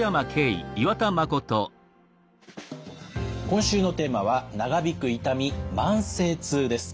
今週のテーマは「長引く痛み慢性痛」です。